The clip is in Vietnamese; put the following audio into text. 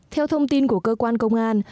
theo thông tin của cơ quan công an